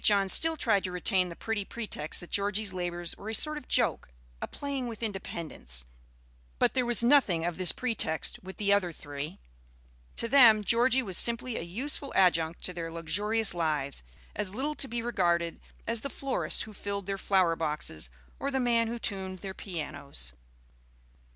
John still tried to retain the pretty pretext that Georgie's labors were a sort of joke, a playing with independence; but there was nothing of this pretext with the other three. To them, Georgie was simply a useful adjunct to their luxurious lives, as little to be regarded as the florist who filled their flower boxes or the man who tuned their pianos.